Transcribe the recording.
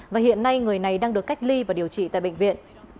và hiện nay người này đang được cách ly và điều trị tại bệnh viện